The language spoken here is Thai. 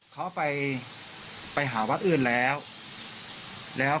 เขาไปหาวัดอื่นแล้ว